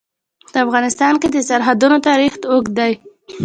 په افغانستان کې د سرحدونه تاریخ اوږد دی.